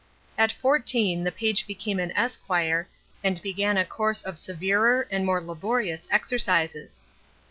At fourteen the page became an esquire, and began a course of severer and more laborious exercises.